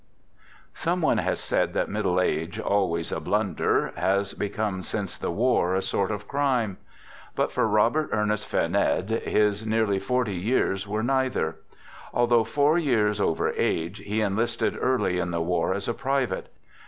Some one has said that middle age, always a blunder, has become since the war a sort of crime. But for Robert Ernest Vernede, his nearly forty years were neither. Although four years over age, he enlisted early in the war as a private.